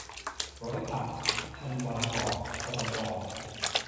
ร้อยป่า - พันธุ์ บางกอก-อรชร